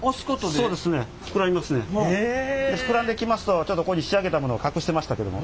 そうですね。で膨らんできますとちょっとここに仕上げたものを隠してましたけども。